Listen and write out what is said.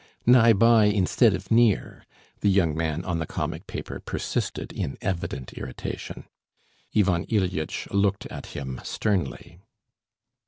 "Nigh by, instead of near," the young man on the comic paper persisted, in evident irritation. Ivan Ilyitch looked at him sternly.